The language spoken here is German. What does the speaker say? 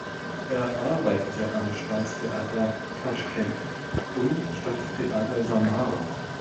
Er arbeitete am Staatstheater Taschkent und Stadttheater Samara.